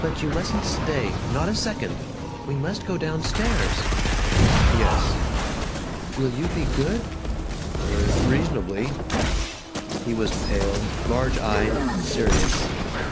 "But you mustn't stay, not a second. We must go downstairs." "Yes." "Will you be good?" "R reasonably!" He was pale, large eyed, serious.